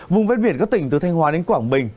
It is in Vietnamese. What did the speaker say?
vùng vết biển các tỉnh từ thanh hòa đến quảng bình